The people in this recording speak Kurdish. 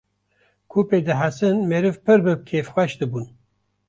ku pê dihesin meriv pir bi kêfxweş dibûn